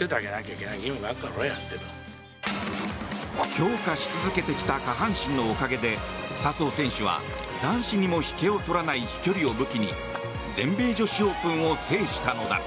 強化し続けてきた下半身のおかげで、笹生選手は男子にも引けを取らない飛距離を武器に全米女子オープンを制したのだ。